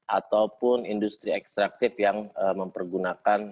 ataupun industri ekstraktif yang mempergunakan